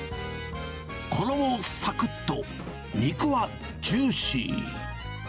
衣さくっと、肉はジューシー。